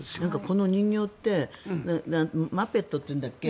この人形ってマペットというんだっけ？